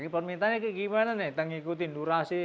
permintaannya kayak gimana nih ngikutin durasi